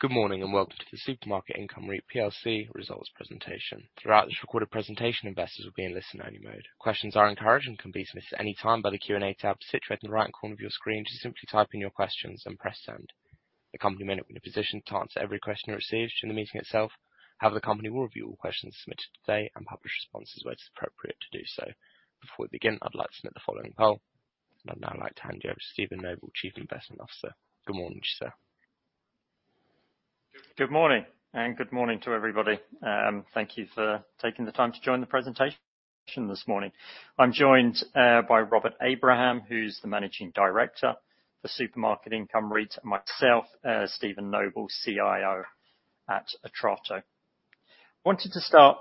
Good morning, and welcome to the Supermarket Income REIT plc results presentation. Throughout this recorded presentation, investors will be in listen-only mode. Questions are encouraged and can be submitted at any time by the Q&A tab situated in the right corner of your screen. Just simply type in your questions and press Send. The company may not be in a position to answer every question received in the meeting itself. However, the company will review all questions submitted today and publish responses where it's appropriate to do so. Before we begin, I'd like to submit the following poll. I'd now like to hand you over to Steven Noble, Chief Investment Officer. Good morning to you, sir. Good morning, and good morning to everybody. Thank you for taking the time to join the presentation this morning. I'm joined by Robert Abraham, who's the Managing Director for Supermarket Income REIT, and myself, Steven Noble, CIO at Atrato. I wanted to start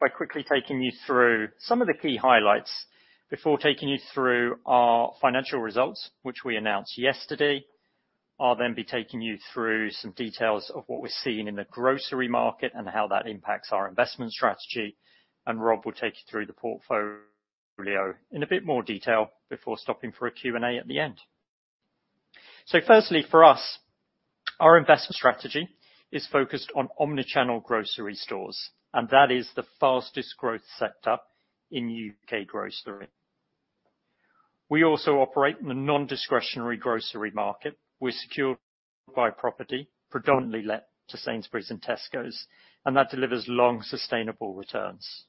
by quickly taking you through some of the key highlights before taking you through our financial results, which we announced yesterday. I'll then be taking you through some details of what we're seeing in the grocery market and how that impacts our investment strategy, and Rob will take you through the portfolio in a bit more detail before stopping for a Q&A at the end. So firstly, for us, our investment strategy is focused on omni-channel grocery stores, and that is the fastest growth sector in U.K. grocery. We also operate in the non-discretionary grocery market with secured by property, predominantly let to Sainsbury's and Tesco, and that delivers long, sustainable returns.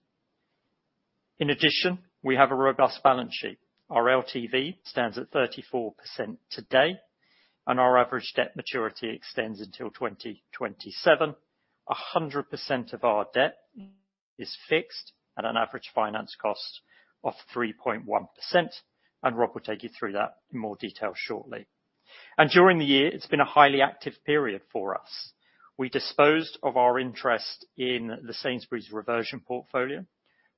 In addition, we have a robust balance sheet. Our LTV stands at 34% today, and our average debt maturity extends until 2027. 100% of our debt is fixed at an average finance cost of 3.1%, and Rob will take you through that in more detail shortly. During the year, it's been a highly active period for us. We disposed of our interest in the Sainsbury's Reversion Portfolio,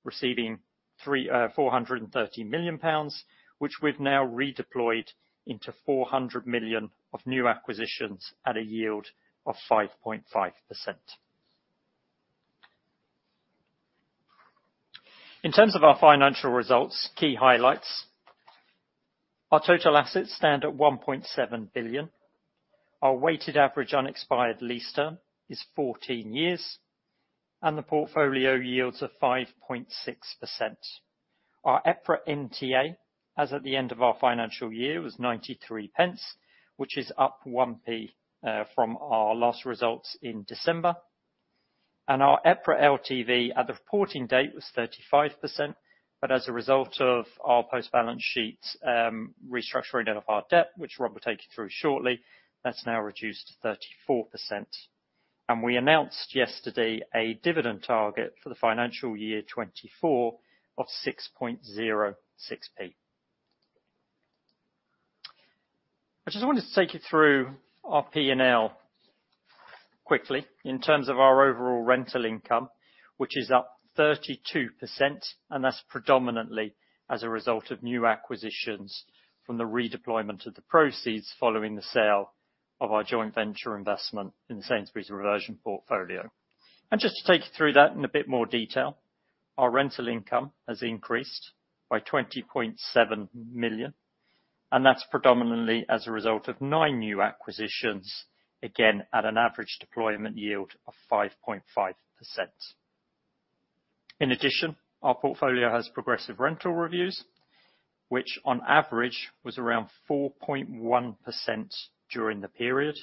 receiving 430 million pounds, which we've now redeployed into 400 million of new acquisitions at a yield of 5.5%. In terms of our financial results, key highlights: Our total assets stand at 1.7 billion. Our weighted average unexpired lease term is 14 years, and the portfolio yields a 5.6%. Our EPRA NTA, as at the end of our financial year, was 0.93, which is up 1p from our last results in December. And our EPRA LTV at the reporting date was 35%, but as a result of our post-balance sheet restructuring of our debt, which Rob will take you through shortly, that's now reduced to 34%. And we announced yesterday a dividend target for the financial year 2024 of GBP 0.0606. I just wanted to take you through our P&L quickly in terms of our overall rental income, which is up 32%, and that's predominantly as a result of new acquisitions from the redeployment of the proceeds following the sale of our joint venture investment in the Sainsbury's Reversion Portfolio. Just to take you through that in a bit more detail, our rental income has increased by 20.7 million, and that's predominantly as a result of 9 new acquisitions, again, at an average deployment yield of 5.5%. In addition, our portfolio has progressive rental reviews, which on average was around 4.1% during the period,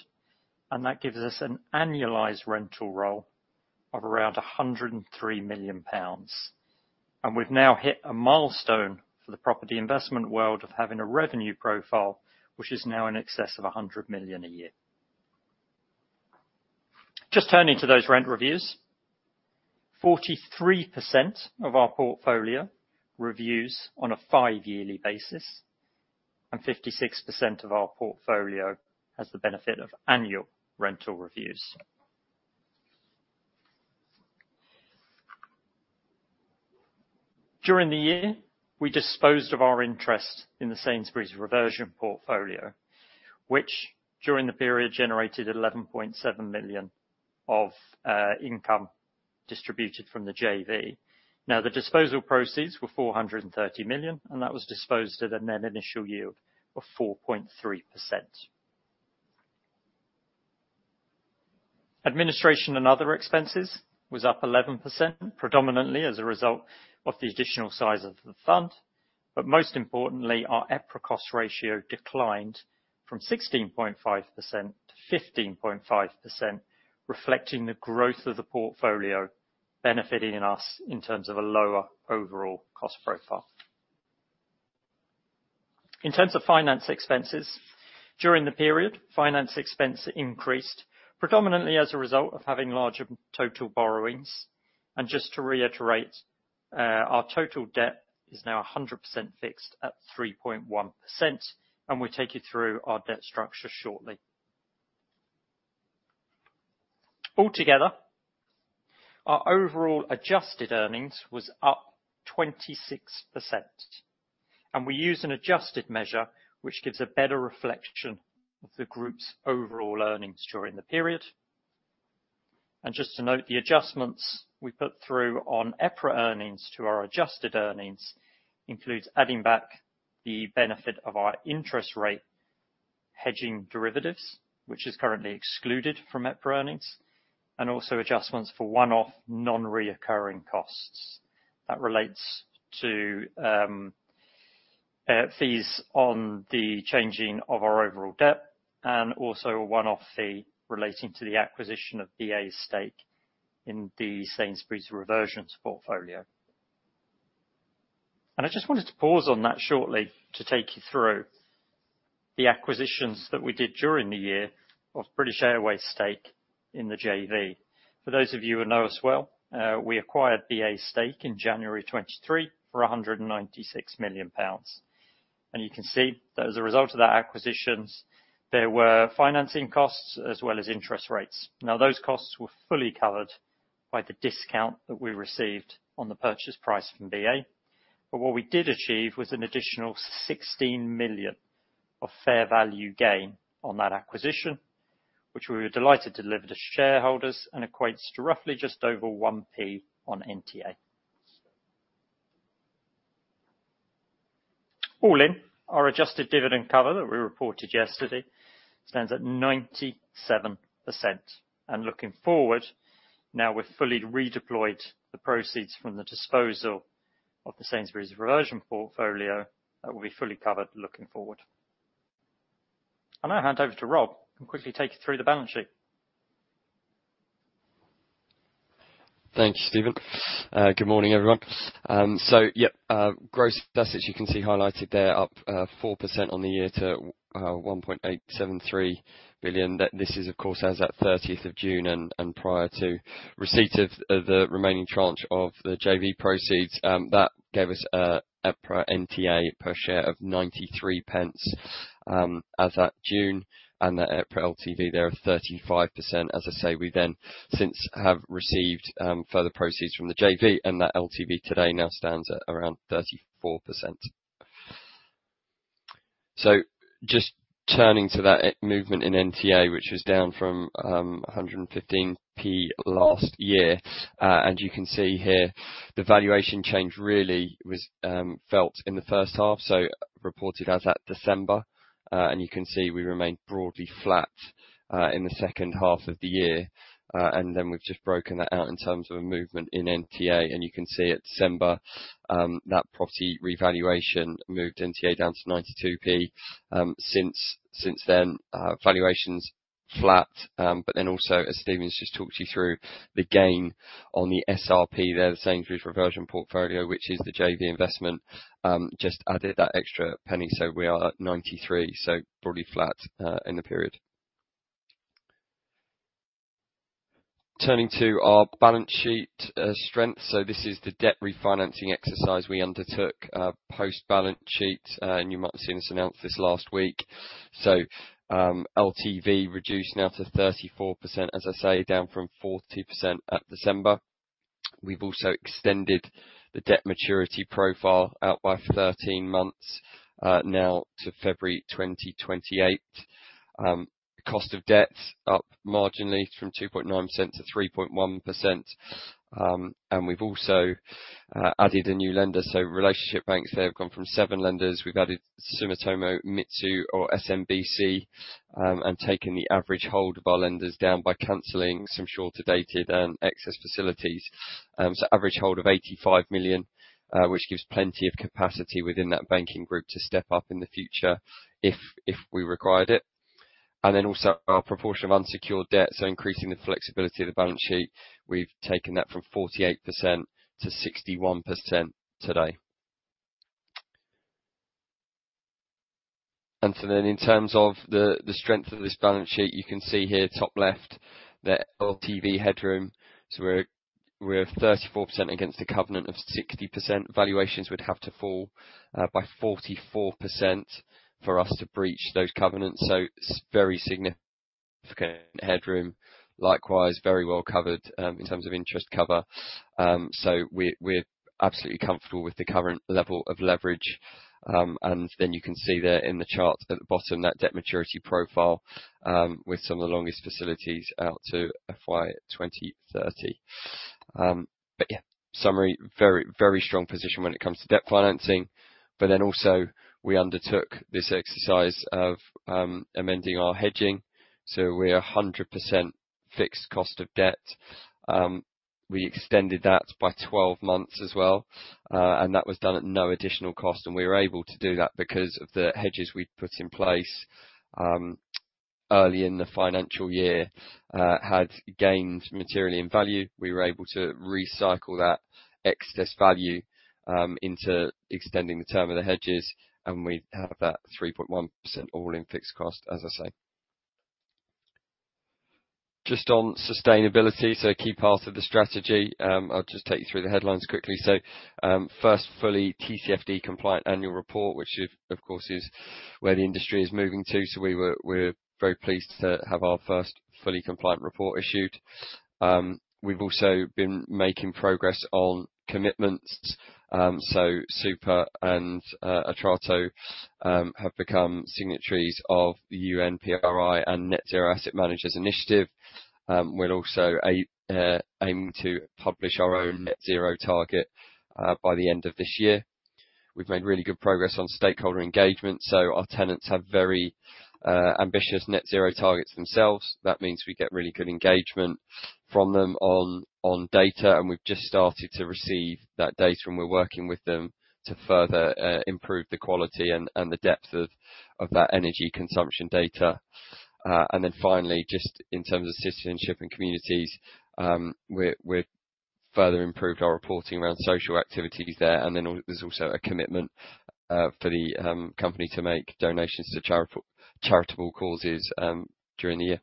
and that gives us an annualized rental roll of around 103 million pounds. We've now hit a milestone for the property investment world of having a revenue profile, which is now in excess of 100 million a year. Just turning to those rent reviews, 43% of our portfolio reviews on a 5-yearly basis, and 56% of our portfolio has the benefit of annual rental reviews. During the year, we disposed of our interest in the Sainsbury's Reversion Portfolio, which, during the period, generated 11.7 million of income distributed from the JV. Now, the disposal proceeds were 430 million, and that was disposed at a net initial yield of 4.3%. Administration and other expenses was up 11%, predominantly as a result of the additional size of the fund, but most importantly, our EPRA cost ratio declined from 16.5% to 15.5%, reflecting the growth of the portfolio benefiting us in terms of a lower overall cost profile. In terms of finance expenses, during the period, finance expense increased predominantly as a result of having larger total borrowings. Just to reiterate, our total debt is now 100% fixed at 3.1%, and we'll take you through our debt structure shortly. Altogether, our overall adjusted earnings was up 26%, and we use an adjusted measure, which gives a better reflection of the group's overall earnings during the period. Just to note, the adjustments we put through on EPRA earnings to our adjusted earnings includes adding back the benefit of our interest rate hedging derivatives, which is currently excluded from EPRA earnings, and also adjustments for one-off, non-recurring costs. That relates to fees on the changing of our overall debt and also a one-off fee relating to the acquisition of BA's stake in the Sainsbury's Reversion Portfolio. I just wanted to pause on that shortly to take you through the acquisitions that we did during the year of British Airways stake in the JV. For those of you who know us well, we acquired BA's stake in January 2023 for 196 million pounds. And you can see that as a result of that acquisitions, there were financing costs as well as interest rates. Now, those costs were fully covered by the discount that we received on the purchase price from BA. But what we did achieve was an additional 16 million of fair value gain on that acquisition, which we were delighted to deliver to shareholders and equates to roughly just over 1p on NTA. All in, our adjusted dividend cover that we reported yesterday stands at 97%, and looking forward, now we've fully redeployed the proceeds from the disposal of the Sainsbury's Reversion Portfolio, that will be fully covered looking forward. I'll now hand over to Rob, who will quickly take you through the balance sheet. Thank you, Steven. Good morning, everyone. Gross assets, you can see highlighted there, up 4% on the year to 1.873 billion. This is, of course, as at 30th of June and prior to receipt of the remaining tranche of the JV proceeds. That gave us EPRA NTA per share of 0.93 as at June, and the EPRA LTV there at 35%. As I say, we then since have received further proceeds from the JV, and that LTV today now stands at around 34%. Just turning to that movement in NTA, which was down from 1.15 last year. You can see here, the valuation change really was felt in the first half, so reported as at December. You can see we remained broadly flat in the second half of the year. Then we've just broken that out in terms of a movement in NTA. You can see at December that property revaluation moved NTA down to 0.92. Since then, valuation's flat. But then also, as Steven's just talked you through, the gain on the SRP there, the Sainsbury's Reversion Portfolio, which is the JV investment, just added that extra penny. So we are at 0.93, so broadly flat in the period. Turning to our balance sheet strength. This is the debt refinancing exercise we undertook post-balance sheet. You might have seen us announce this last week. LTV reduced now to 34%, as I say, down from 40% at December. We've also extended the debt maturity profile out by 13 months, now to February 2028. Cost of debt up marginally from 2.9% to 3.1%. We've also added a new lender. Relationship banks have gone from seven lenders. We've added Sumitomo Mitsui or SMBC and taken the average hold of our lenders down by canceling some shorter dated and excess facilities. Average hold of 85 million, which gives plenty of capacity within that banking group to step up in the future if we required it. Also, our proportion of unsecured debt, so increasing the flexibility of the balance sheet, we've taken that from 48% to 61% today. In terms of the strength of this balance sheet, you can see here, top left, the LTV headroom. So we're at 34% against the covenant of 60%. Valuations would have to fall by 44% for us to breach those covenants, so very significant headroom. Likewise, very well covered in terms of interest cover. So we're absolutely comfortable with the current level of leverage. And then you can see there in the chart at the bottom, that debt maturity profile, with some of the longest facilities out to FY 2030. But yeah, summary, very, very strong position when it comes to debt financing. But then also, we undertook this exercise of amending our hedging. So we're 100% fixed cost of debt. We extended that by 12 months as well, and that was done at no additional cost, and we were able to do that because of the hedges we'd put in place early in the financial year had gained materially in value. We were able to recycle that excess value into extending the term of the hedges, and we have that 3.1% all-in fixed cost, as I say. Just on sustainability, a key part of the strategy, I'll just take you through the headlines quickly. First, fully TCFD compliant annual report, which of course is where the industry is moving to. We're very pleased to have our first fully compliant report issued. We've also been making progress on commitments. So Super and Atrato have become signatories of the UNPRI and Net Zero Asset Managers initiative. We're also aiming to publish our own net zero target by the end of this year. We've made really good progress on stakeholder engagement, so our tenants have very ambitious net zero targets themselves. That means we get really good engagement from them on data, and we've just started to receive that data, and we're working with them to further improve the quality and the depth of that energy consumption data. And then finally, just in terms of citizenship and communities, we've further improved our reporting around social activities there, and then there's also a commitment for the company to make donations to charitable causes during the year.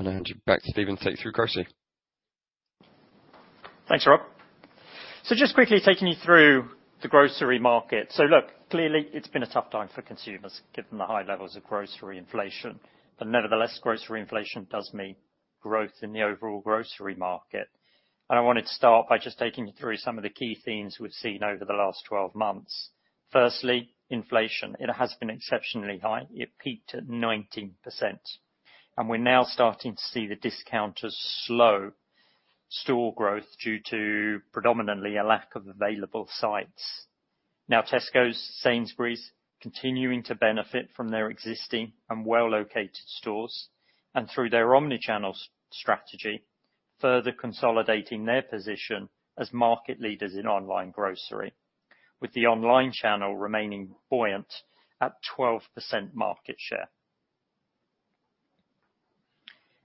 I'll hand you back to Steven to take you through grocery. Thanks, Rob. So just quickly taking you through the grocery market. So look, clearly, it's been a tough time for consumers, given the high levels of grocery inflation, but nevertheless, grocery inflation does mean growth in the overall grocery market. And I wanted to start by just taking you through some of the key themes we've seen over the last 12 months. Firstly, inflation. It has been exceptionally high. It peaked at 19%, and we're now starting to see the discounters slow store growth due to predominantly a lack of available sites. Now, Tesco, Sainsbury's continuing to benefit from their existing and well-located stores, and through their omnichannel strategy, further consolidating their position as market leaders in online grocery, with the online channel remaining buoyant at 12% market share.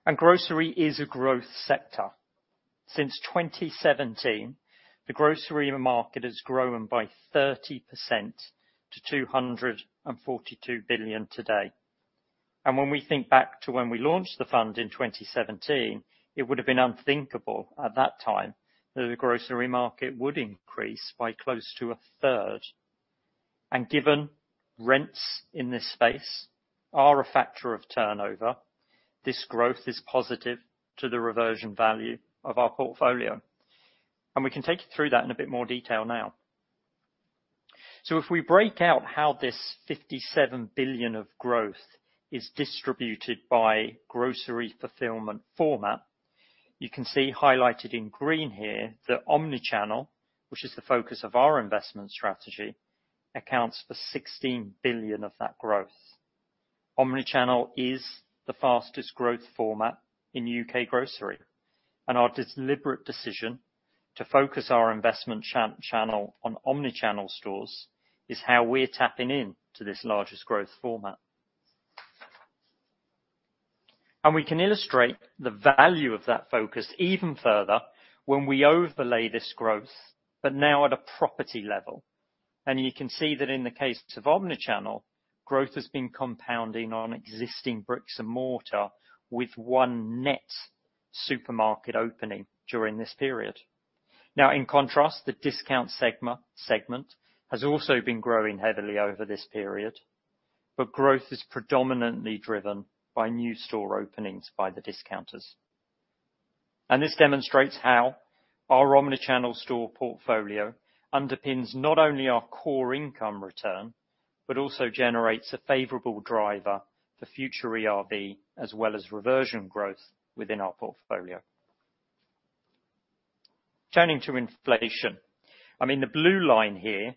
And grocery is a growth sector. Since 2017, the grocery market has grown by 30% to 242 billion today. And when we think back to when we launched the fund in 2017, it would have been unthinkable at that time that the grocery market would increase by close to a third. And given rents in this space are a factor of turnover, this growth is positive to the reversion value of our portfolio. And we can take you through that in a bit more detail now. So if we break out how this 57 billion of growth is distributed by grocery fulfillment format, you can see highlighted in green here, that omnichannel, which is the focus of our investment strategy, accounts for 16 billion of that growth. Omni-channel is the fastest growth format in U.K. grocery, and our deliberate decision to focus our investment channel on omni-channel stores is how we're tapping into this largest growth format. We can illustrate the value of that focus even further when we overlay this growth, but now at a property level. You can see that in the case of omni-channel, growth has been compounding on existing bricks and mortar, with one net supermarket opening during this period. Now, in contrast, the discount segment has also been growing heavily over this period, but growth is predominantly driven by new store openings by the discounters. This demonstrates how our omni-channel store portfolio underpins not only our core income return, but also generates a favorable driver for future ERV, as well as reversion growth within our portfolio. Turning to inflation, I mean, the blue line here,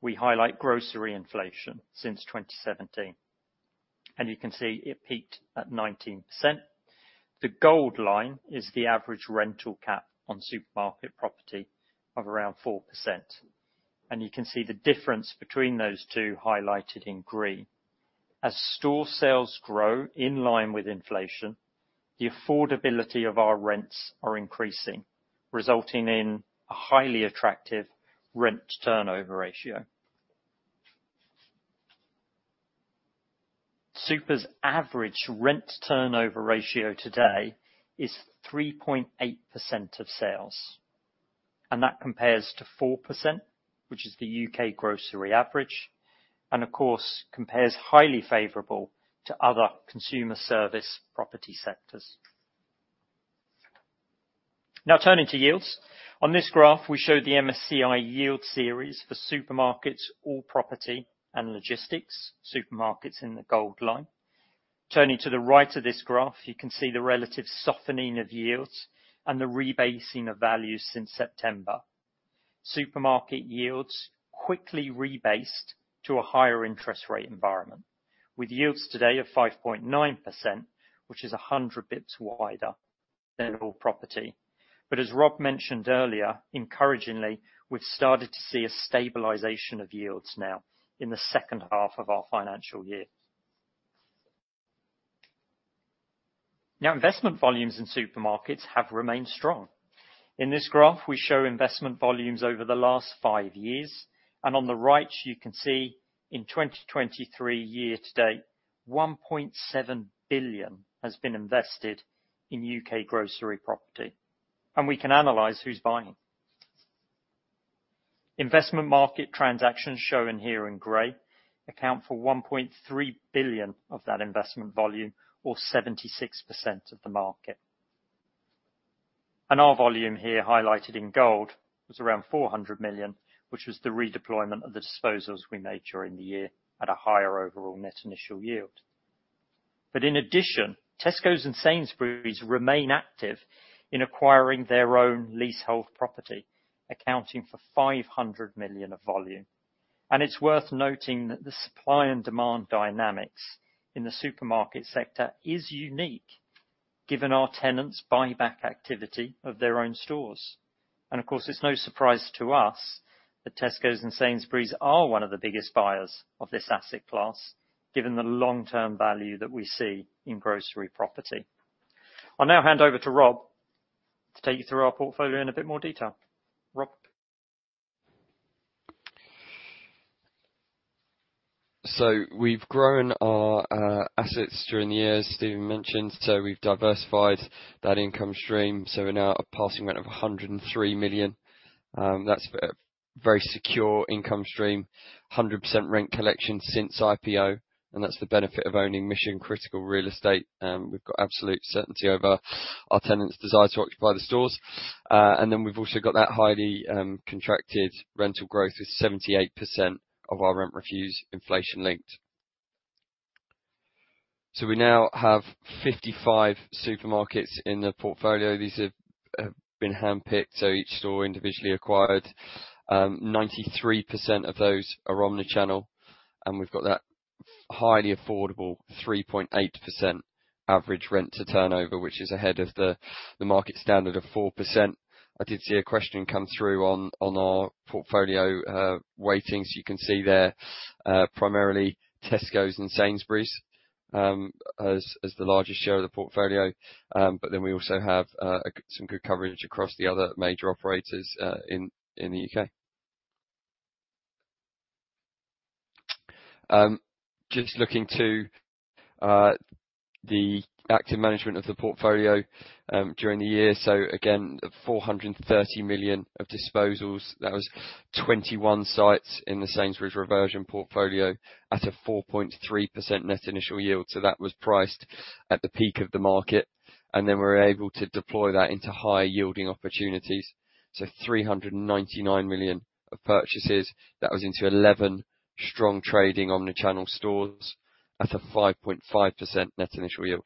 we highlight grocery inflation since 2017, and you can see it peaked at 19%. The gold line is the average rental cap on supermarket property of around 4%, and you can see the difference between those two highlighted in green. As store sales grow in line with inflation, the affordability of our rents are increasing, resulting in a highly attractive rent turnover ratio. Super's average rent turnover ratio today is 3.8% of sales, and that compares to 4%, which is the U.K. grocery average, and of course, compares highly favorable to other consumer service property sectors. Now, turning to yields. On this graph, we show the MSCI yield series for supermarkets, all property and logistics. Supermarkets in the gold line. Turning to the right of this graph, you can see the relative softening of yields and the rebasing of values since September. Supermarket yields quickly rebased to a higher interest rate environment, with yields today of 5.9%, which is 100 basis points wider than all property. But as Rob mentioned earlier, encouragingly, we've started to see a stabilization of yields now in the second half of our financial year. Now, investment volumes in supermarkets have remained strong. In this graph, we show investment volumes over the last five years, and on the right, you can see in 2023 year to date, 1.7 billion has been invested in U.K. grocery property, and we can analyze who's buying. Investment market transactions shown here in gray account for 1.3 billion of that investment volume or 76% of the market. Our volume here, highlighted in gold, was around 400 million, which was the redeployment of the disposals we made during the year at a higher overall net initial yield. But in addition, Tesco's and Sainsbury's remain active in acquiring their own leasehold property, accounting for 500 million of volume. And it's worth noting that the supply and demand dynamics in the supermarket sector is unique, given our tenants' buyback activity of their own stores. And of course, it's no surprise to us that Tesco's and Sainsbury's are one of the biggest buyers of this asset class, given the long-term value that we see in grocery property. I'll now hand over to Rob to take you through our portfolio in a bit more detail. Rob? So we've grown our assets during the year, as Steven mentioned, so we've diversified that income stream, so we're now at a passing rent of 103 million. That's a very secure income stream, 100% rent collection since IPO, and that's the benefit of owning mission-critical real estate. We've got absolute certainty over our tenants' desire to occupy the stores. And then we've also got that highly contracted rental growth, with 78% of our rent reviews inflation-linked. So we now have 55 supermarkets in the portfolio. These have been handpicked, so each store individually acquired. 93% of those are omnichannel, and we've got that highly affordable 3.8% average rent to turnover, which is ahead of the market standard of 4%. I did see a question come through on our portfolio weightings. You can see there, primarily Tesco and Sainsbury's as the largest share of the portfolio. We also have some good coverage across the other major operators in the U.K. Just looking to the active management of the portfolio during the year. Four hundred thirty million GBP of disposals. That was 21 sites in the Sainsbury's Reversion Portfolio at a 4.3% net initial yield, so that was priced at the peak of the market, and we were able to deploy that into higher-yielding opportunities. Three hundred ninety-nine million GBP of purchases. That was into 11 strong trading omnichannel stores at a 5.5% net initial yield.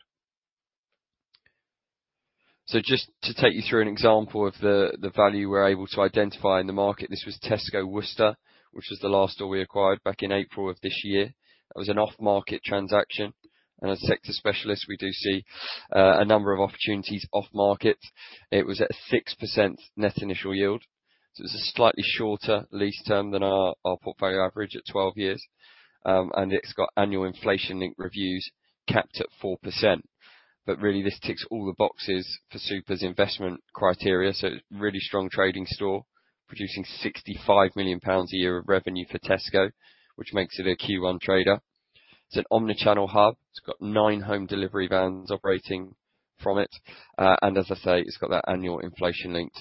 Just to take you through an example of the value we're able to identify in the market, this was Tesco Worcester, which was the last store we acquired back in April of this year. That was an off-market transaction, and as sector specialists, we do see a number of opportunities off-market. It was at a 6% net initial yield, so it was a slightly shorter lease term than our portfolio average at 12 years. It's got annual inflation-linked reviews capped at 4%. Really, this ticks all the boxes for Super's investment criteria, so really strong trading store, producing 65 million pounds a year of revenue for Tesco, which makes it a Q1 trader. It's an omnichannel hub. It's got 9 home delivery vans operating from it, and as I say, it's got that annual inflation-linked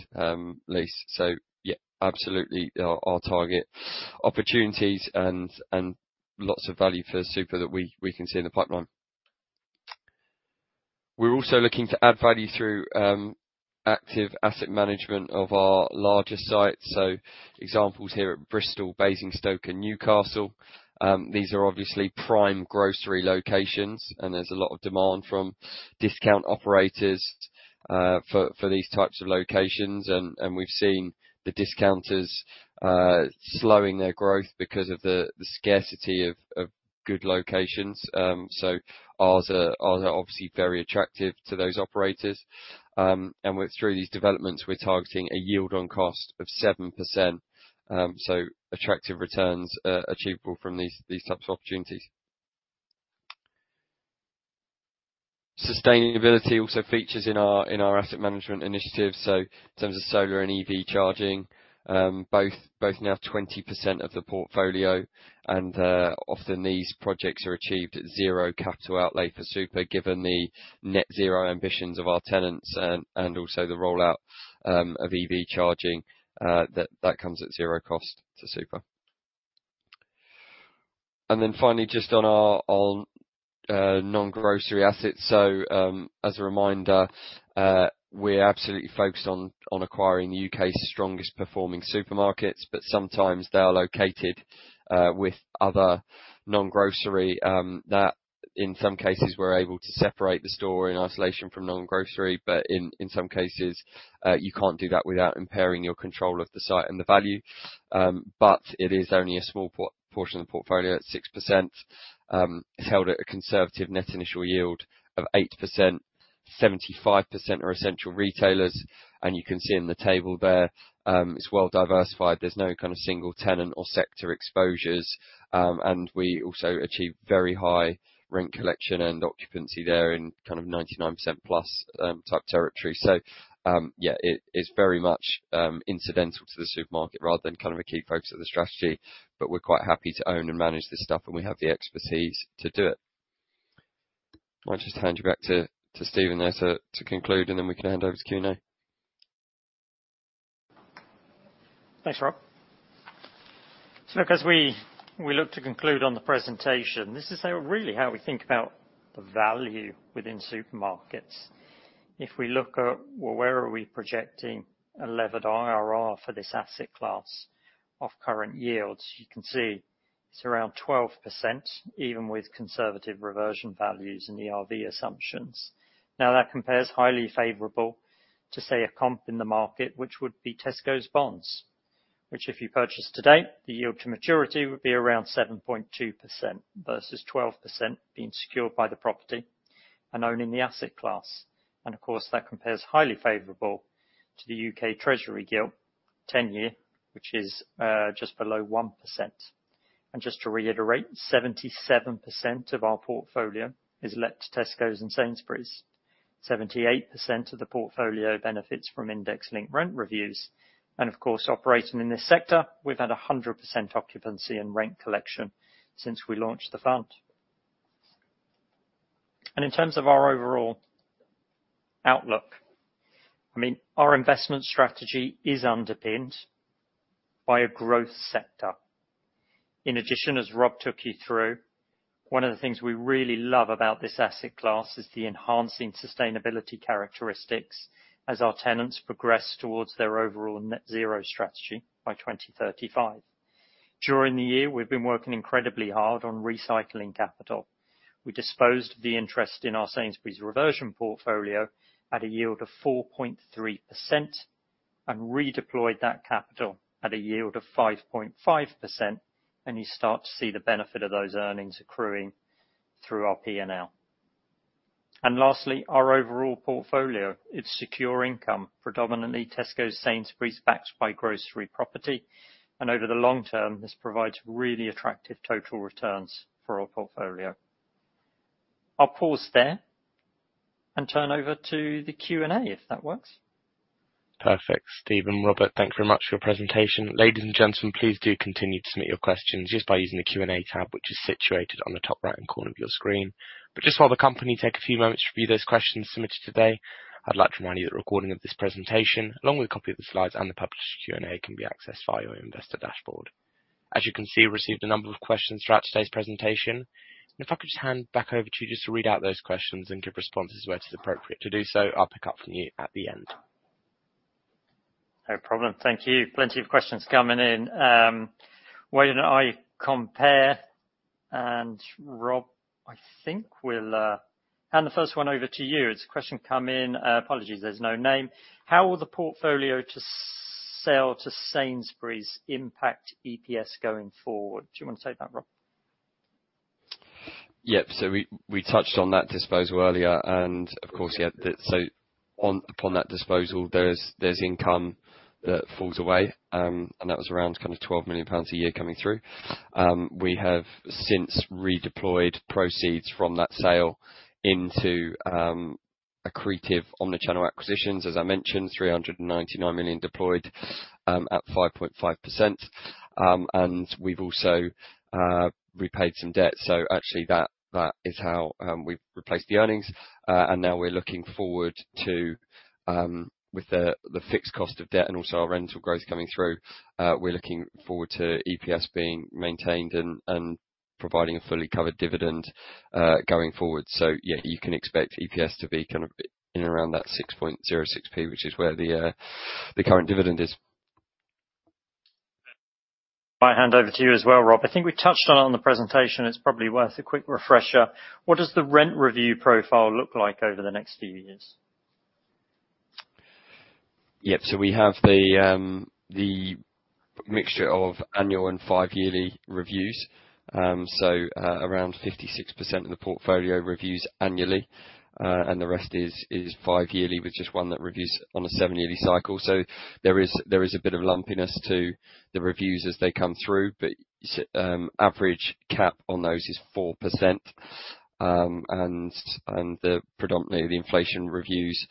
lease. So yeah, absolutely our target opportunities and lots of value for Super that we can see in the pipeline. We're also looking to add value through active asset management of our larger sites, so examples here at Bristol, Basingstoke, and Newcastle. These are obviously prime grocery locations, and there's a lot of demand from discount operators for these types of locations. And we've seen the discounters slowing their growth because of the scarcity of good locations, so ours are obviously very attractive to those operators. And through these developments, we're targeting a yield on cost of 7%, so attractive returns achievable from these types of opportunities. Sustainability also features in our asset management initiatives, so in terms of solar and EV charging, both now 20% of the portfolio. And often these projects are achieved at zero capital outlay for Super, given the net zero ambitions of our tenants and also the rollout of EV charging that comes at zero cost to Super. And then finally, just on our non-grocery assets. So as a reminder, we're absolutely focused on acquiring the U.K.'s strongest-performing supermarkets, but sometimes they are located with other non-grocery that in some cases, we're able to separate the store in isolation from non-grocery, but in some cases, you can't do that without impairing your control of the site and the value. It is only a small portion of the portfolio at 6%, held at a conservative net initial yield of 8%. Seventy-five percent are essential retailers, and you can see in the table there, it's well diversified. There's no kind of single tenant or sector exposures, and we also achieve very high rent collection and occupancy there in kind of 99%+ type territory. Yeah, it is very much incidental to the supermarket rather than kind of a key focus of the strategy, but we're quite happy to own and manage this stuff, and we have the expertise to do it. I'll just hand you back to Stephen there to conclude, and then we can hand over to Q&A. Thanks, Rob. So look, as we, we look to conclude on the presentation, this is how, really how we think about the value within supermarkets. If we look at, well, where are we projecting a levered IRR for this asset class of current yields? You can see it's around 12%, even with conservative reversion values and ERV assumptions. Now, that compares highly favorable to, say, a comp in the market, which would be Tesco's bonds, which, if you purchase today, the yield to maturity would be around 7.2% versus 12% being secured by the property and owning the asset class. And of course, that compares highly favorable to the U.K. Treasury Gilt 10-year, which is just below 1%. And just to reiterate, 77% of our portfolio is let to Tesco and Sainsbury's. 78% of the portfolio benefits from index-linked rent reviews, and of course, operating in this sector, we've had 100% occupancy and rent collection since we launched the fund. And in terms of our overall outlook, I mean, our investment strategy is underpinned by a growth sector. In addition, as Rob took you through, one of the things we really love about this asset class is the enhancing sustainability characteristics as our tenants progress towards their overall net zero strategy by 2035. During the year, we've been working incredibly hard on recycling capital. We disposed the interest in our Sainsbury's Reversion Portfolio at a yield of 4.3% and redeployed that capital at a yield of 5.5%, and you start to see the benefit of those earnings accruing through our P&L. And lastly, our overall portfolio, it's secure income, predominantly Tesco, Sainsbury's, backed by grocery property, and over the long term, this provides really attractive total returns for our portfolio. I'll pause there and turn over to the Q&A, if that works. Perfect. Steven, Robert, thank you very much for your presentation. Ladies and gentlemen, please do continue to submit your questions just by using the Q&A tab, which is situated on the top right-hand corner of your screen. But just while the company take a few moments to review those questions submitted today, I'd like to remind you that a recording of this presentation, along with a copy of the slides and the published Q&A, can be accessed via your investor dashboard. As you can see, we've received a number of questions throughout today's presentation, and if I could just hand back over to you just to read out those questions and give responses where it's appropriate to do so. I'll pick up from you at the end. No problem. Thank you. Plenty of questions coming in. We now compare, and Rob, I think we'll hand the first one over to you. It's a question come in. Apologies, there's no name. How will the portfolio to sell to Sainsbury's impact EPS going forward? Do you want to take that, Rob? Yep. So we touched on that disposal earlier, and of course, the-- so, upon that disposal, there's income that falls away, and that was around 12 million pounds a year coming through. We have since redeployed proceeds from that sale into accretive omnichannel acquisitions. As I mentioned, 399 million deployed at 5.5%. And we've also repaid some debt. So actually, that is how we've replaced the earnings. And now we're looking forward to, with the fixed cost of debt and also our rental growth coming through, we're looking forward to EPS being maintained and providing a fully covered dividend going forward. So yeah, you can expect EPS to be kind of in around that 0.0606, which is where the current dividend is. I hand over to you as well, Rob. I think we touched on it on the presentation. It's probably worth a quick refresher. What does the rent review profile look like over the next few years? Yep. So we have the mixture of annual and five-yearly reviews. So around 56% of the portfolio reviews annually, and the rest is five-yearly, with just one that reviews on a seven-yearly cycle. So there is a bit of lumpiness to the reviews as they come through, but average cap on those is 4%. And predominantly the inflation reviews,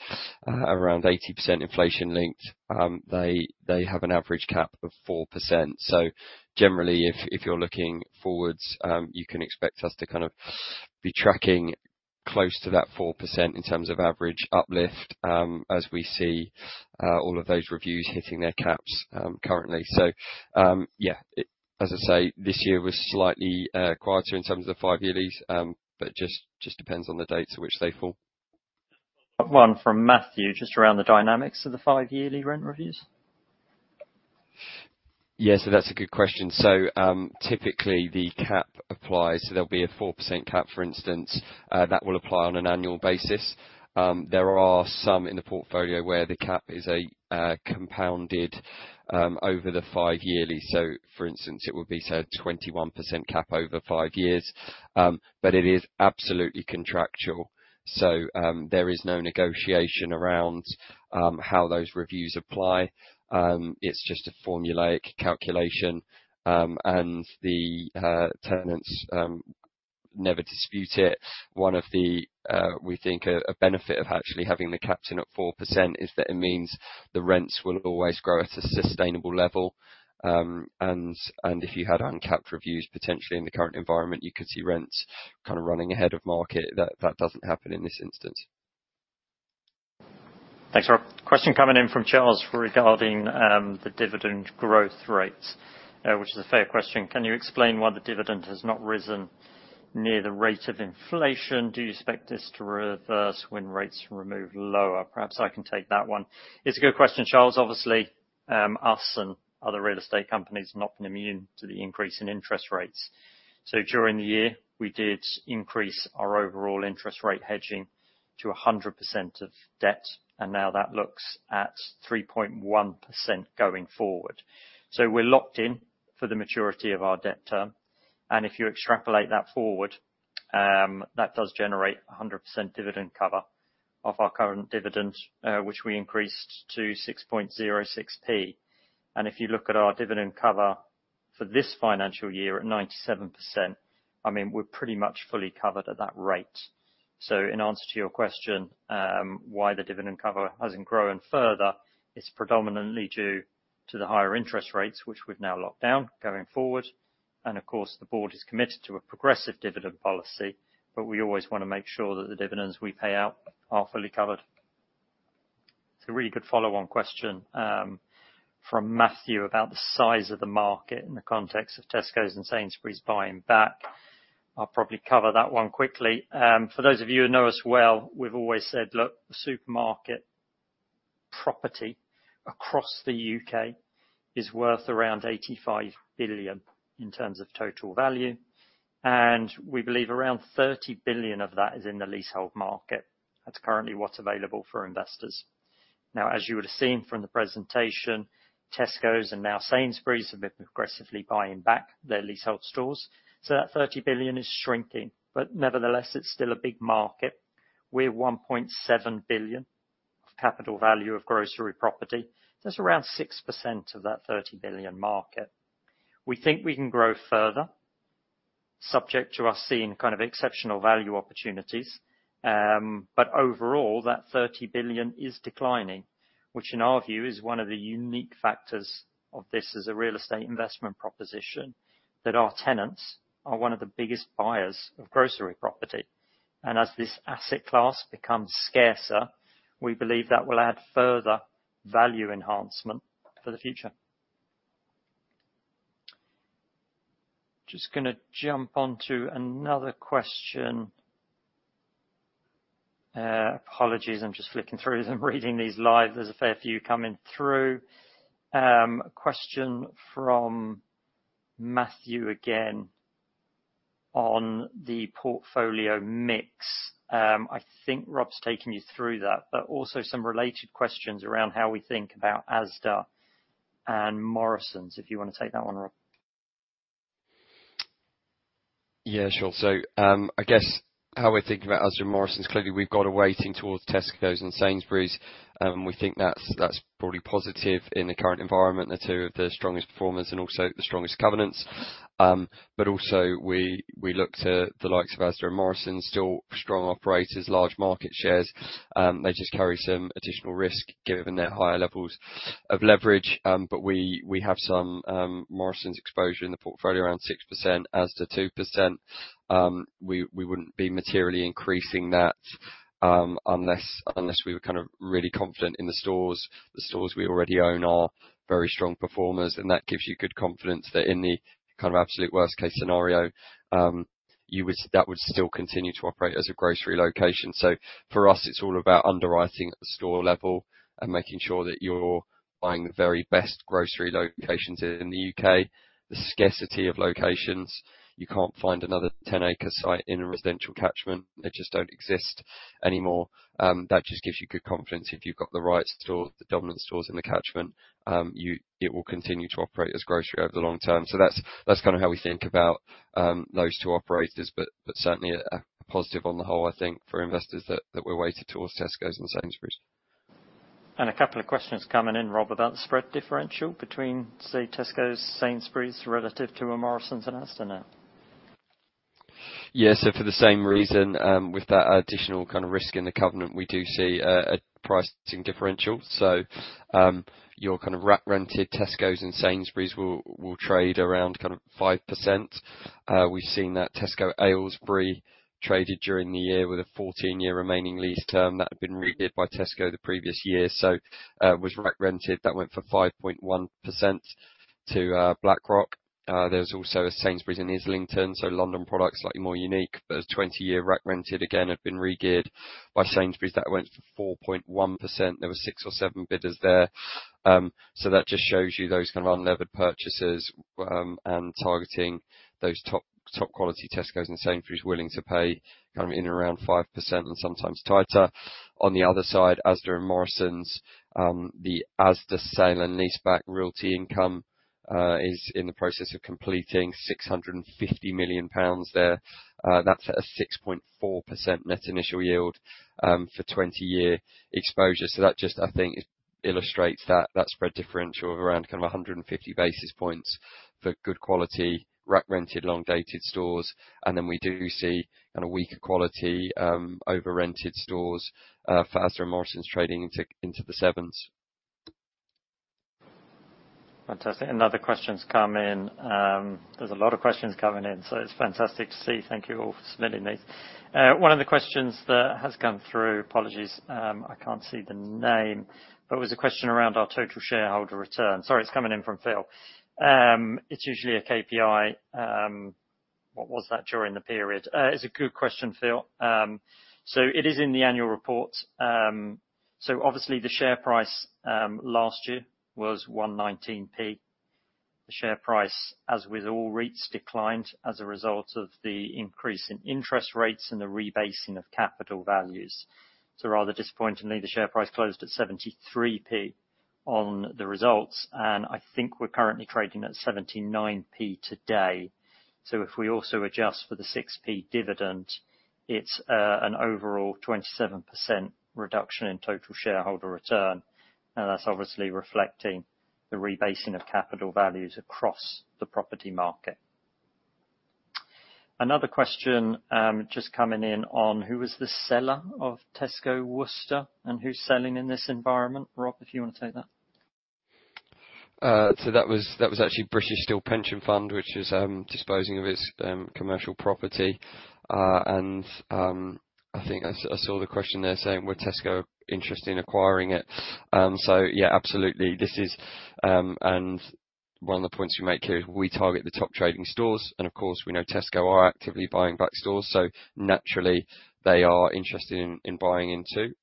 around 80% inflation-linked, they have an average cap of 4%. So generally, if you're looking forward, you can expect us to kind of be tracking close to that 4% in terms of average uplift, as we see all of those reviews hitting their caps, currently. Yeah, it, as I say, this year was slightly, quieter in terms of the five yearlies, just, just depends on the date to which they fall. One from Matthew, just around the dynamics of the five-yearly rent reviews. Yeah, that's a good question. Typically, the cap applies. There'll be a 4% cap, for instance, that will apply on an annual basis. There are some in the portfolio where the cap is compounded over the five yearly. For instance, it would be said 21% cap over five years, but it is absolutely contractual. There is no negotiation around how those reviews apply. It's just a formulaic calculation, and the tenants never dispute it. One of the... We think a benefit of actually having the cap at 4% is that it means the rents will always grow at a sustainable level. If you had uncapped reviews, potentially in the current environment, you could see rents kind of running ahead of market. That, that doesn't happen in this instance. Thanks, Rob. Question coming in from Charles regarding the dividend growth rate, which is a fair question: "Can you explain why the dividend has not risen near the rate of inflation? Do you expect this to reverse when rates remove lower?" Perhaps I can take that one. It's a good question, Charles. Obviously, us and other real estate companies have not been immune to the increase in interest rates. During the year, we did increase our overall interest rate hedging to 100% of debt, and now that looks at 3.1% going forward. We're locked in for the maturity of our debt term, and if you extrapolate that forward, that does generate 100% dividend cover of our current dividend, which we increased to 0.0606. And if you look at our dividend cover for this financial year at 97%, I mean, we're pretty much fully covered at that rate. So in answer to your question, why the dividend cover hasn't grown further, it's predominantly due to the higher interest rates, which we've now locked down going forward. And of course, the board is committed to a progressive dividend policy, but we always wanna make sure that the dividends we pay out are fully covered. It's a really good follow-on question, from Matthew about the size of the market in the context of Tesco's and Sainsbury's buying back. I'll probably cover that one quickly. For those of you who know us well, we've always said, "Look, the supermarket property across the U.K. is worth around 85 billion in terms of total value, and we believe around 30 billion of that is in the leasehold market. That's currently what's available for investors." Now, as you would have seen from the presentation, Tesco's and now Sainsbury's, have been progressively buying back their leasehold stores, so that 30 billion is shrinking, but nevertheless, it's still a big market. We're 1.7 billion of capital value of grocery property. That's around 6% of that 30 billion market. We think we can grow further, subject to us seeing kind of exceptional value opportunities. Overall, that 30 billion is declining, which in our view is one of the unique factors of this as a real estate investment proposition, that our tenants are one of the biggest buyers of grocery property. As this asset class becomes scarcer, we believe that will add further value enhancement for the future. Just gonna jump on to another question. Apologies, I'm just flicking through them, reading these live. There's a fair few coming through. A question from Matthew again on the portfolio mix. I think Rob's taken you through that, but also some related questions around how we think about Asda and Morrisons, if you wanna take that one, Rob. Yeah, sure. I guess how we're thinking about Asda and Morrisons, clearly, we've got a weighting towards Tesco and Sainsbury's, and we think that's broadly positive in the current environment. They're two of the strongest performers and also the strongest covenants. We look to the likes of Asda and Morrisons, still strong operators, large market shares. They just carry some additional risk given their higher levels of leverage. We have some Morrisons exposure in the portfolio, around 6%, Asda, 2%. We wouldn't be materially increasing that, unless we were kind of really confident in the stores. The stores we already own are very strong performers, and that gives you good confidence that in the kind of absolute worst-case scenario, you would—that would still continue to operate as a grocery location. For us, it's all about underwriting at the store level and making sure that you're buying the very best grocery locations in the U.K. The scarcity of locations, you can't find another 10-acre site in a residential catchment. They just don't exist anymore. That just gives you good confidence. If you've got the right store, the dominant stores in the catchment, it will continue to operate as grocery over the long term. That's kinda how we think about those two operators, but certainly a positive on the whole, I think, for investors that we're weighted towards Tesco's and Sainsbury's. A couple of questions coming in, Rob, about the spread differential between, say, Tesco's, Sainsbury's, relative to a Morrisons and Asda now. Yeah, for the same reason, with that additional kind of risk in the covenant, we do see a pricing differential. Your kind of rack-rented Tescos and Sainsbury's will trade around 5%. We have seen that Tesco Aylesbury traded during the year with a 14-year remaining lease term that had been regeared by Tesco the previous year, so was rack-rented. That went for 5.1% to BlackRock. There was also a Sainsbury's in Islington, so London product, slightly more unique, but as 20-year rack-rented, again, had been regeared by Sainsbury's. That went for 4.1%. There were 6 or 7 bidders there. So that just shows you those kind of unlevered purchases, and targeting those top, top quality Tescos, and Sainsbury's willing to pay kind of in and around 5% and sometimes tighter. On the other side, Asda and Morrisons, the Asda sale and leaseback Realty Income is in the process of completing 650 million pounds there. That's at a 6.4% net initial yield, for 20-year exposure. So that just, I think, illustrates that, that spread differential of around 150 basis points for good quality, rack-rented, long-dated stores. And then we do see kind of weaker quality, overrented stores, for Asda and Morrisons trading into, into the 7s. Fantastic. Another question's come in. There's a lot of questions coming in, so it's fantastic to see. Thank you all for submitting these. One of the questions that has come through, apologies, I can't see the name, but it was a question around our total shareholder return. Sorry, it's coming in from Phil. It's usually a KPI, what was that during the period? It's a good question, Phil. It is in the annual report. Obviously, the share price last year was 1.19. The share price, as with all REITs, declined as a result of the increase in interest rates and the rebasing of capital values. Rather disappointingly, the share price closed at 0.73 on the results, and I think we're currently trading at 0.79 today. So if we also adjust for the 6p dividend, it's an overall 27% reduction in Total Shareholder Return, and that's obviously reflecting the rebasing of capital values across the property market. Another question, just coming in on, who was the seller of Tesco Worcester, and who's selling in this environment? Rob, if you want to take that. That was actually British Steel Pension Fund, which is disposing of its commercial property. I think I saw the question there saying, were Tesco interested in acquiring it? Yeah, absolutely. This is -- and one of the points we make here, we target the top trading stores, and of course, we know Tesco are actively buying back stores, so naturally, they are interested in buying into.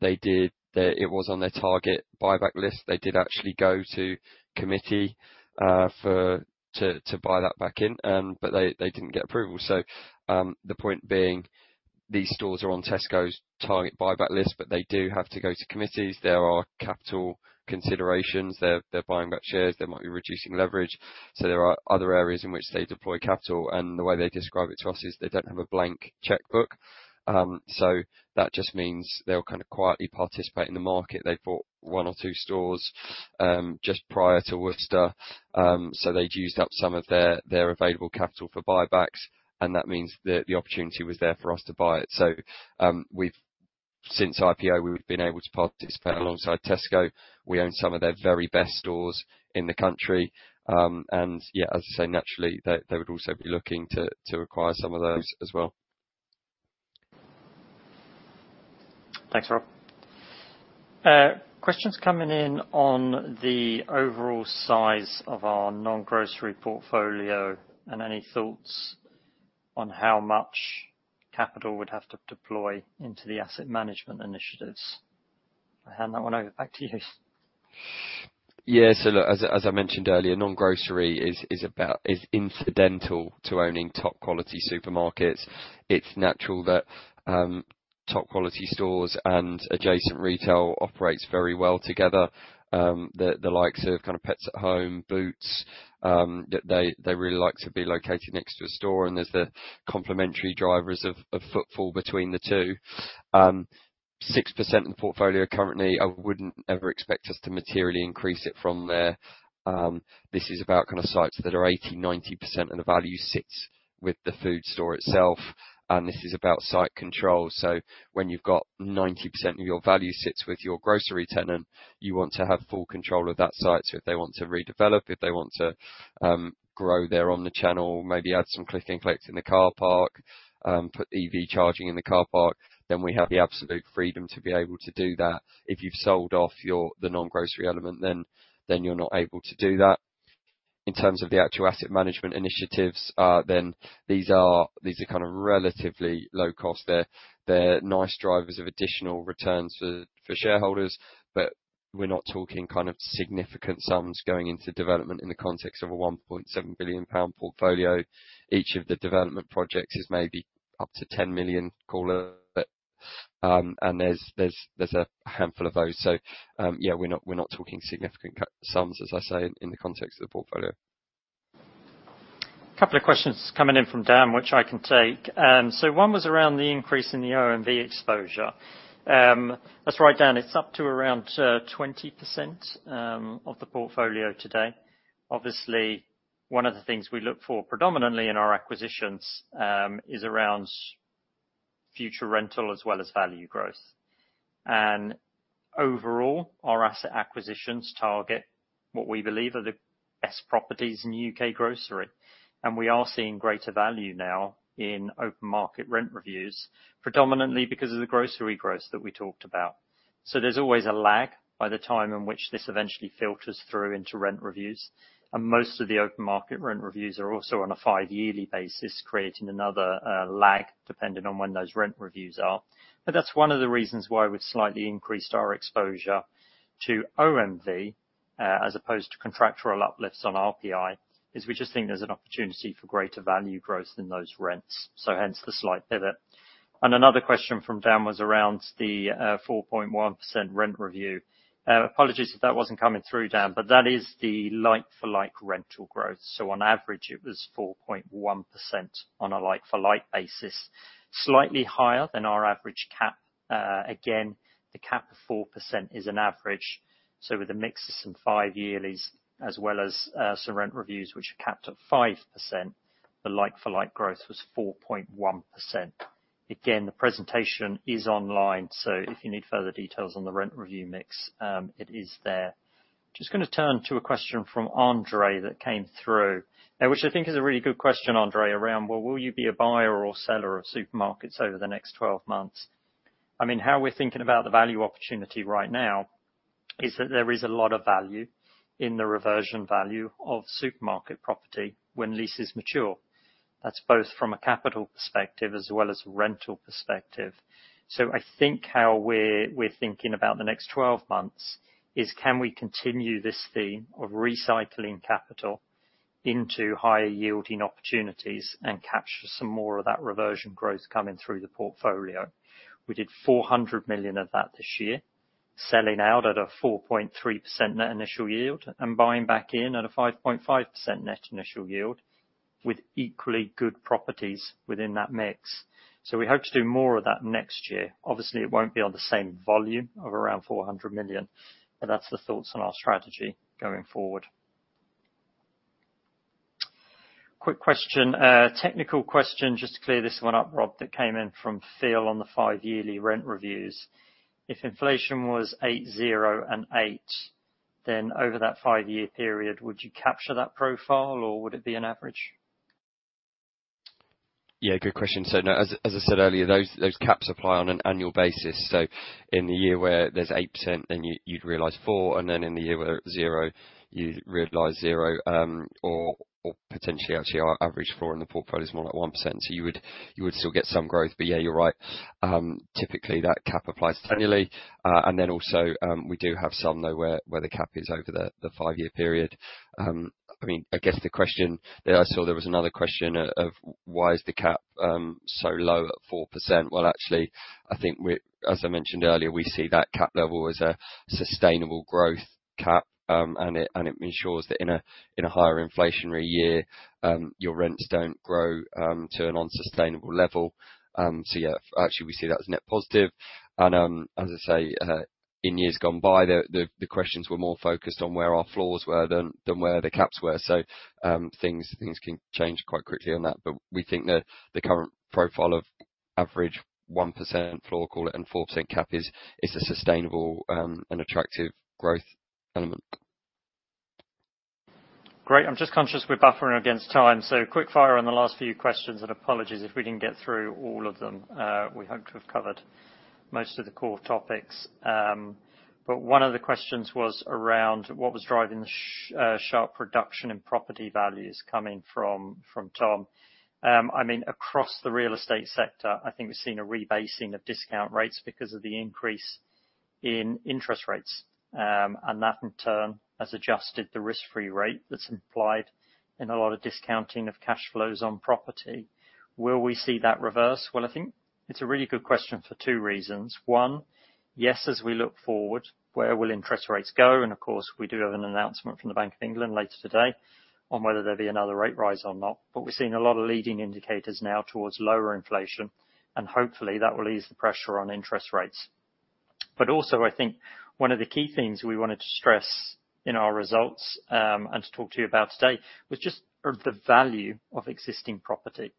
They did, the. It was on their target buyback list. They did actually go to committee to buy that back in, but they didn't get approval. The point being, these stores are on Tesco's target buyback list, but they do have to go to committees. There are capital considerations. They're buying back shares, they might be reducing leverage, so there are other areas in which they deploy capital, and the way they describe it to us is they don't have a blank checkbook. So that just means they'll kind of quietly participate in the market. They bought one or two stores just prior to Worcester, so they'd used up some of their available capital for buybacks, and that means that the opportunity was there for us to buy it. So we've since IPO been able to participate alongside Tesco. We own some of their very best stores in the country. And yeah, as I say, naturally, they would also be looking to acquire some of those as well. Thanks, Rob. Questions coming in on the overall size of our non-grocery portfolio, and any thoughts on how much capital would have to deploy into the asset management initiatives. I hand that one over back to you. Yeah, so look, as I mentioned earlier, non-grocery is incidental to owning top-quality supermarkets. It's natural that top-quality stores and adjacent retail operates very well together. The likes of kind of Pets at Home, Boots, they really like to be located next to a store, and there's the complementary drivers of footfall between the two. Six percent in the portfolio currently, I wouldn't ever expect us to materially increase it from there. This is about kind of sites that are 80%-90%, and the value sits with the food store itself, and this is about site control. So when you've got 90% of your value sits with your grocery tenant, you want to have full control of that site. So if they want to redevelop, if they want to grow their omnichannel, maybe add some click and collect in the car park, put EV charging in the car park, then we have the absolute freedom to be able to do that. If you've sold off the non-grocery element, then you're not able to do that. In terms of the actual asset management initiatives, then these are kind of relatively low cost. They're nice drivers of additional returns for shareholders, but we're not talking kind of significant sums going into development in the context of a 1.7 billion pound portfolio. Each of the development projects is maybe up to 10 million call it, and there's a handful of those. Yeah, we're not, we're not talking significant sums, as I say, in the context of the portfolio. Couple of questions coming in from Dan, which I can take. One was around the increase in the OMV exposure. Let's write down, it's up to around 20% of the portfolio today. Obviously, one of the things we look for predominantly in our acquisitions is around future rental as well as value growth. Overall, our asset acquisitions target what we believe are the best properties in U.K. grocery, and we are seeing greater value now in open market rent reviews, predominantly because of the grocery growth that we talked about. There's always a lag by the time in which this eventually filters through into rent reviews, and most of the open market rent reviews are also on a five-yearly basis, creating another lag depending on when those rent reviews are. But that's one of the reasons why we've slightly increased our exposure to OMV, as opposed to contractual uplifts on RPI, is we just think there's an opportunity for greater value growth in those rents, so hence the slight pivot. And another question from Dan was around the 4.1% rent review. Apologies if that wasn't coming through, Dan, but that is the like-for-like rental growth. So on average, it was 4.1% on a like-for-like basis, slightly higher than our average cap. Again, the cap of 4% is an average, so with the mix of some 5-yearlies, as well as some rent reviews, which are capped at 5%, the like-for-like growth was 4.1%. Again, the presentation is online, so if you need further details on the rent review mix, it is there. Just going to turn to a question from Andre that came through, which I think is a really good question, Andre, around, well, will you be a buyer or seller of supermarkets over the next 12 months? I mean, how we're thinking about the value opportunity right now is that there is a lot of value in the reversion value of supermarket property when leases mature. That's both from a capital perspective as well as rental perspective. I think how we're thinking about the next 12 months is can we continue this theme of recycling capital into higher yielding opportunities and capture some more of that reversion growth coming through the portfolio? We did 400 million of that this year, selling out at a 4.3% net initial yield, and buying back in at a 5.5% net initial yield, with equally good properties within that mix. So we hope to do more of that next year. Obviously, it won't be on the same volume of around 400 million, but that's the thoughts on our strategy going forward. Quick question, technical question, just to clear this one up, Rob, that came in from Phil on the five-yearly rent reviews. If inflation was 8.0% and 8%, then over that five-year period, would you capture that profile, or would it be an average? Yeah, good question. So no, as I said earlier, those caps apply on an annual basis. So in the year where there's 8%, then you'd realize 4, and then in the year where 0, you'd realize 0, or potentially actually, our average floor in the portfolio is more like 1%, so you would still get some growth. But yeah, you're right. Typically, that cap applies annually. And then also, we do have some, though, where the cap is over the 5-year period. I mean, I guess the question that I saw, there was another question of why is the cap so low at 4%? Well, actually, I think we—as I mentioned earlier, we see that cap level as a sustainable growth cap, and it ensures that in a higher inflationary year, your rents don't grow to an unsustainable level. So yeah, actually, we see that as net positive. And, as I say, in years gone by, the questions were more focused on where our floors were than where the caps were. So, things can change quite quickly on that, but we think the current profile of average 1% floor, call it, and 4% cap is a sustainable and attractive growth element. Great. I'm just conscious we're buffering against time, so quick fire on the last few questions, and apologies if we didn't get through all of them. We hope to have covered most of the core topics. But one of the questions was around what was driving the sharp reduction in property values coming from, from Tom. I mean, across the real estate sector, I think we've seen a rebasing of discount rates because of the increase in interest rates. And that, in turn, has adjusted the risk-free rate that's implied in a lot of discounting of cash flows on property. Will we see that reverse? Well, I think it's a really good question for two reasons. One, yes, as we look forward, where will interest rates go? Of course, we do have an announcement from the Bank of England later today on whether there'll be another rate rise or not. But we've seen a lot of leading indicators now towards lower inflation, and hopefully, that will ease the pressure on interest rates. But also, I think one of the key things we wanted to stress in our results, and to talk to you about today, was just the value of existing property,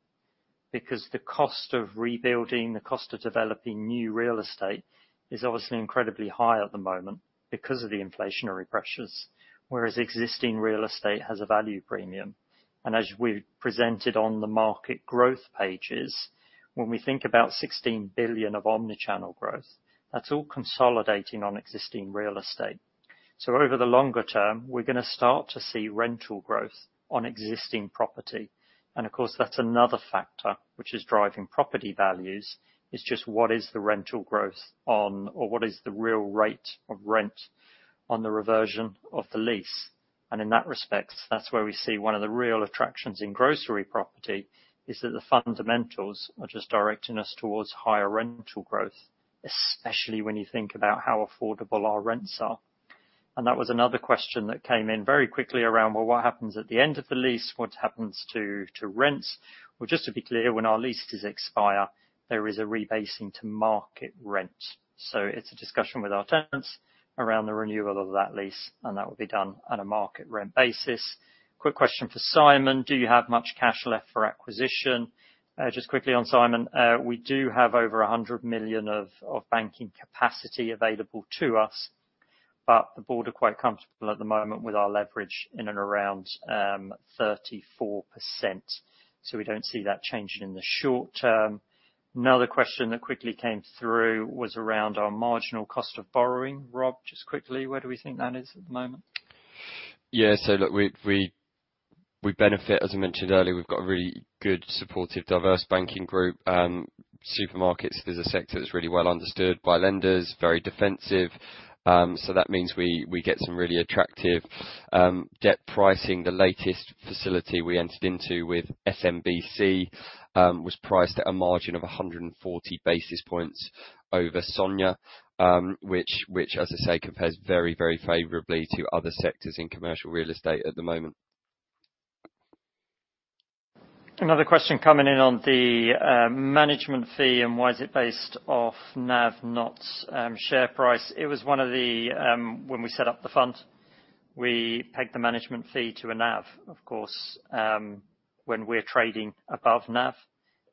because the cost of rebuilding, the cost of developing new real estate is obviously incredibly high at the moment because of the inflationary pressures, whereas existing real estate has a value premium. As we've presented on the market growth pages, when we think about 16 billion of omni-channel growth, that's all consolidating on existing real estate. So over the longer term, we're going to start to see rental growth on existing property. Of course, that's another factor which is driving property values, is just what is the rental growth on... or what is the real rate of rent on the reversion of the lease? And in that respect, that's where we see one of the real attractions in grocery property, is that the fundamentals are just directing us towards higher rental growth, especially when you think about how affordable our rents are. And that was another question that came in very quickly around, well, what happens at the end of the lease? What happens to, to rents? Well, just to be clear, when our leases expire, there is a rebasing to market rent. So it's a discussion with our tenants around the renewal of that lease, and that will be done on a market rent basis. Quick question for Simon: Do you have much cash left for acquisition? Just quickly on, Simon, we do have over 100 million of banking capacity available to us, but the board are quite comfortable at the moment with our leverage in and around 34%, so we don't see that changing in the short term. Another question that quickly came through was around our marginal cost of borrowing. Rob, just quickly, where do we think that is at the moment? Yeah, so look, we benefit, as I mentioned earlier, we've got a really good, supportive, diverse banking group. Supermarkets is a sector that's really well understood by lenders, very defensive, so that means we get some really attractive debt pricing. The latest facility we entered into with SMBC was priced at a margin of 140 basis points over SONIA, which, as I say, compares very, very favorably to other sectors in commercial real estate at the moment. Another question coming in on the management fee, and why is it based off NAV, not share price. It was one of the when we set up the fund. We peg the management fee to a NAV, of course, when we're trading above NAV,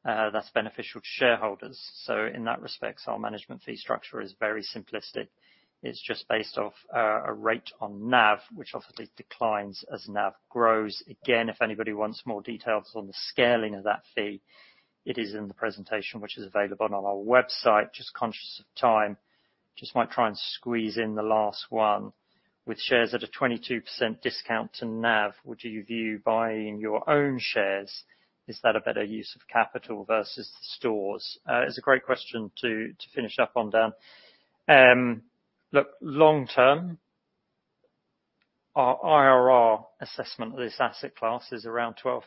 that's beneficial to shareholders. So in that respect, our management fee structure is very simplistic. It's just based off a rate on NAV, which obviously declines as NAV grows. Again, if anybody wants more details on the scaling of that fee, it is in the presentation, which is available on our website. Just conscious of time, just might try and squeeze in the last one. With shares at a 22% discount to NAV, would you view buying your own shares, is that a better use of capital versus the stores? It's a great question to finish up on, Dan. Look, long term, our IRR assessment of this asset class is around 12%.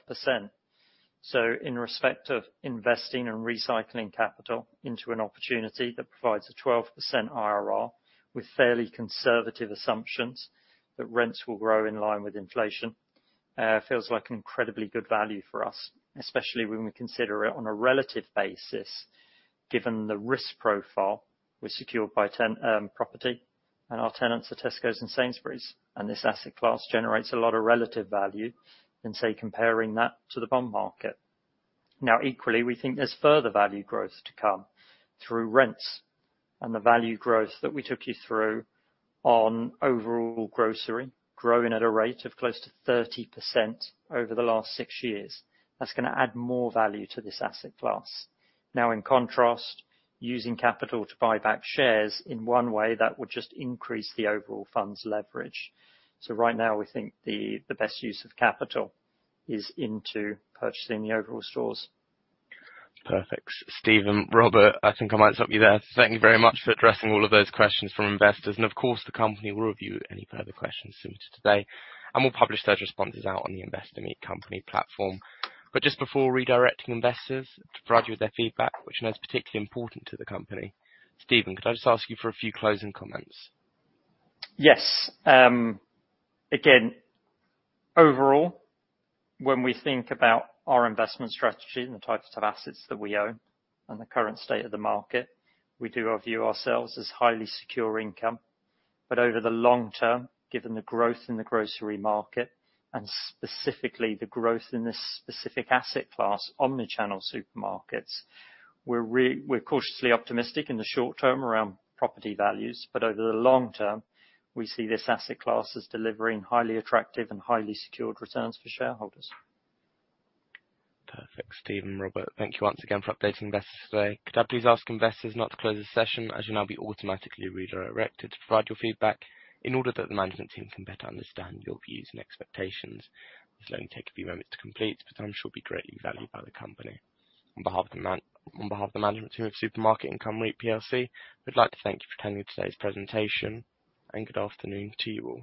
So in respect of investing and recycling capital into an opportunity that provides a 12% IRR with fairly conservative assumptions, that rents will grow in line with inflation, feels like an incredibly good value for us, especially when we consider it on a relative basis, given the risk profile with secured by tenanted property, and our tenants are Tesco's and Sainsbury's, and this asset class generates a lot of relative value than, say, comparing that to the bond market. Now, equally, we think there's further value growth to come through rents and the value growth that we took you through on overall grocery, growing at a rate of close to 30% over the last six years. That's gonna add more value to this asset class. Now, in contrast, using capital to buy back shares, in one way, that would just increase the overall fund's leverage. So right now, we think the best use of capital is into purchasing the overall stores. Perfect. Steven, Robert, I think I might stop you there. Thank you very much for addressing all of those questions from investors. Of course, the company will review any further questions submitted today, and we'll publish those responses out on the Investor Meet Company platform. Just before redirecting investors to provide you with their feedback, which is particularly important to the company, Steven, could I just ask you for a few closing comments? Yes. Again, overall, when we think about our investment strategy and the types of assets that we own and the current state of the market, we do view ourselves as highly secure income. But over the long term, given the growth in the grocery market, and specifically the growth in this specific asset class, omni-channel supermarkets, we're cautiously optimistic in the short term around property values, but over the long term, we see this asset class as delivering highly attractive and highly secured returns for shareholders. Perfect. Steven, Robert, thank you once again for updating investors today. Could I please ask investors not to close this session, as you'll now be automatically redirected to provide your feedback in order that the management team can better understand your views and expectations. This will only take a few moments to complete, but I'm sure will be greatly valued by the company. On behalf of the management team of Supermarket Income REIT, we'd like to thank you for attending today's presentation, and good afternoon to you all.